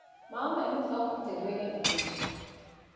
މާމަ އެންމެފަހުން ތެދުވެގެން އަތުވެއްޖެ